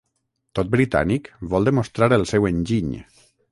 Tot britànic vol demostrar el seu enginy.